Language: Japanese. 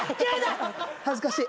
恥ずかしい。